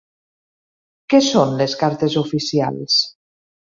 Què són les cartes oficials?